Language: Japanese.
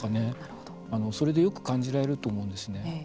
それでよく感じられると思うんですね。